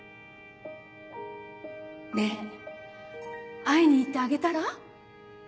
ねぇ会いに行ってあげたら？